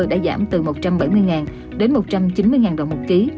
đã giảm từ một trăm bảy mươi đồng đến một trăm chín mươi đồng mỗi kg